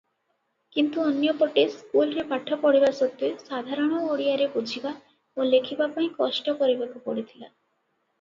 କିନ୍ତୁ ଅନ୍ୟ ପଟେ ସ୍କୁଲରେ ପାଠ ପଢ଼ିବା ସତ୍ତ୍ୱେ ସାଧାରଣ ଓଡ଼ିଆରେ ବୁଝିବା ଓ ଲେଖିବା ପାଇଁ କଷ୍ଟକରିବାକୁ ପଡ଼ିଥିଲା ।